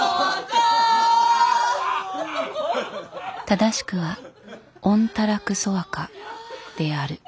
正しくはオンタラクソワカである。